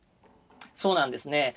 そうなんですね。